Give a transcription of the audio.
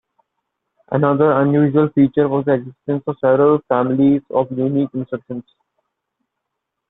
Another unusual feature was the existence of several families of unique instructions.